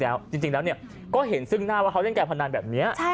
แต่ว่าจริงแล้วก็เห็นซึ่งหน้าว่าเขาเล่นแก่พันนั้นแบบเนีย